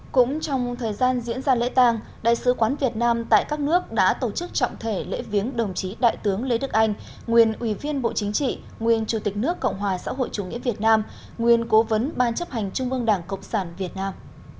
cũng trong thời gian diễn ra lễ tang đại sứ quán việt nam tại các nước đã tổ chức trọng thể lễ viếng đồng chí đại tướng lê đức anh nguyên ủy viên bộ chính trị nguyên chủ tịch nước cộng hòa xã hội chủ nghĩa việt nam nguyên cố vấn ban chấp hành trung ương đảng cộng sản việt nam